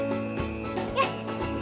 よし！